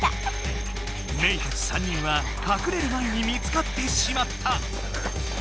メイたち３人はかくれる前に見つかってしまった！